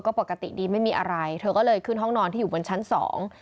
ก็ปกติดีไม่มีอะไรเธอก็เลยขึ้นห้องนอนที่อยู่บนชั้นสอง